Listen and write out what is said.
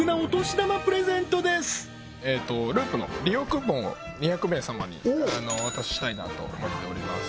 ＬＵＵＰの利用クーポンを２００名様にお渡ししたいなと思っております